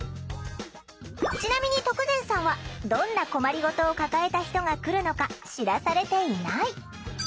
ちなみに徳善さんはどんな困りごとを抱えた人が来るのか知らされていない。